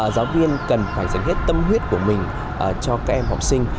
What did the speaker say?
giáo viên cần phải dành hết tâm huyết của mình cho các em học sinh